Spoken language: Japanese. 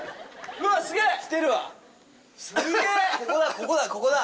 ここだここだ！